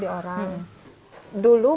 biasa aku rumah